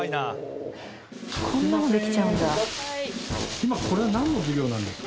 今これはなんの授業なんですか？